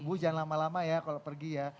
gue jangan lama lama ya kalau pergi ya